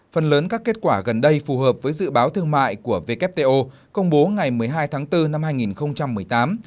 phần lớn các kết quả gần đây phù hợp với dự báo thương mại của wto công bố ngày một mươi hai tháng bốn năm hai nghìn một mươi tám